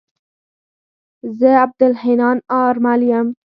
زه عبدالحنان آرمل يم.